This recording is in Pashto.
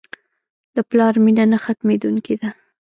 د پلار مینه نه ختمېدونکې ده.